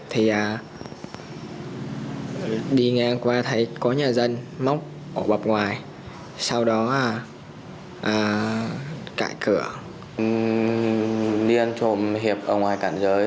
thì đi ngang qua thấy có nhà tài sản này và có nhà tài sản này